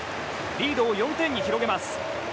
リードを４点に広げます。